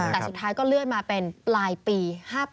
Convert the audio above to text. แต่สุดท้ายก็เลื่อนมาเป็นปลายปี๕๘